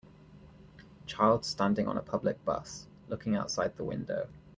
Child standing on a public bus, looking outside the window.